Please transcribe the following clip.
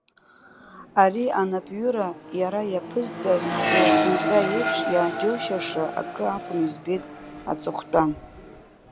Ари анапҩыра, иара аԥызҵаз илахьынҵа еиԥш, иааџьоушьаша акы акәны избеит аҵыхәтәан.